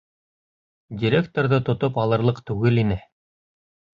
Директорҙы тотоп алырлыҡ түгел ине.